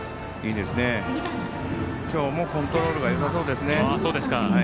今日もコントロールがよさそうですね。